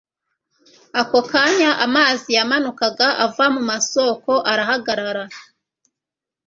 ako kanya amazi yamanukaga ava mu masoko arahagarara